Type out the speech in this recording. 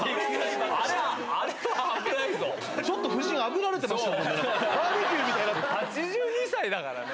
ちょっと夫人、あぶられてましたもんね。